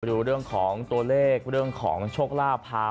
ดูเรื่องของตัวเลขเรื่องของโชคลาภพา